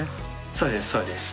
そうですそうです。